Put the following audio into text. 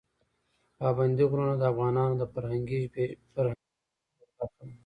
پابندی غرونه د افغانانو د فرهنګي پیژندنې برخه ده.